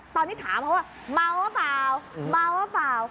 ตอนนี้ถามเขาว่าเมาหรือเปล่าเมาหรือเปล่า